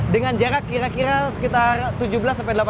dengan jarak kira kira sekitar tujuh menit ya